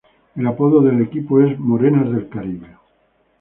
El apodo del equipo es "Morenas del Caribe".